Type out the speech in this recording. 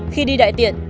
khi đi đại tiện